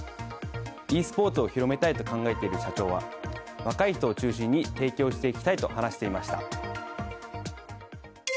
ｅスポーツを広めたいと考えている社長は部屋を若い人を中心に提供していきたいと話していました。